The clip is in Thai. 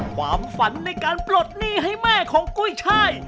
ความฝันในการปลดหนี้ให้แม่ของกุ้ยช่าย